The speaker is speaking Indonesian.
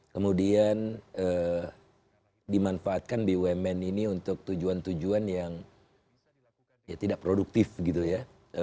kemudian dimanfaatkan bumn ini untuk tujuan tujuan yang tidak produktif gitu ya